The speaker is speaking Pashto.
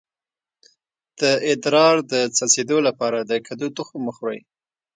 د ادرار د څڅیدو لپاره د کدو تخم وخورئ